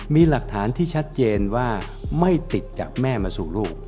มีหลักฐานที่ชัดเจนว่าไม่ติดจากแม่มาสู่ลูก